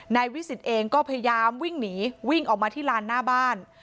วิสิตเองก็พยายามวิ่งหนีวิ่งออกมาที่ลานหน้าบ้าน